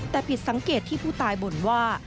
แต่ผิดสังเกตที่ผู้ตายบ่นว่า